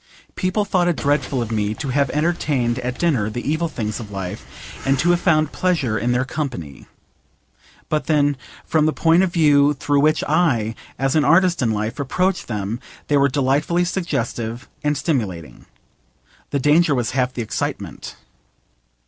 People thought it dreadful of me to have entertained at dinner the evil things of life, and to have found pleasure in their company. But then, from the point of view through which I, as an artist in life, approach them they were delightfully suggestive and stimulating. The danger was half the excitement.